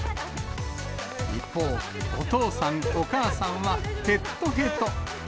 一方、お父さん、お母さんはへっとへと。